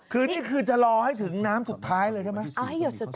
คือนี่คือจะรอให้ถึงน้ำสุดท้ายเลยใช่ไหม